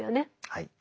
はい。